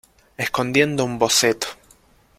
escondiendo un boceto.